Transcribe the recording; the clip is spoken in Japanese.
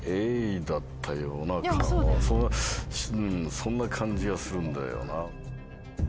そんな感じはするんだよな。